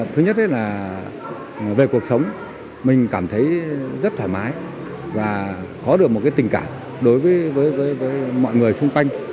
thứ nhất là về cuộc sống mình cảm thấy rất thoải mái và có được một tình cảm đối với mọi người xung quanh